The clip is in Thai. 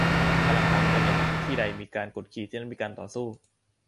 พลังของอินเตอร์เน็ต : ที่ใดมีการกดขี่ ที่นั่นมีการต่อสู้